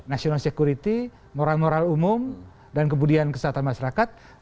national security moral moral umum dan kemudian kesehatan masyarakat